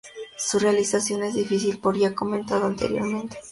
Su realización es difícil por lo ya comentado anteriormente.